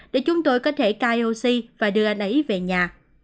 để chúng tôi có thể cai oxy và đưa anh ấy về nhà